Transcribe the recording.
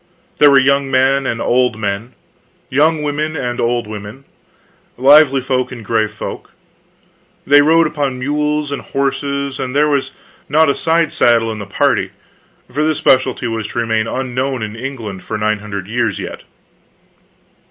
There were young men and old men, young women and old women, lively folk and grave folk. They rode upon mules and horses, and there was not a side saddle in the party; for this specialty was to remain unknown in England for nine hundred years yet.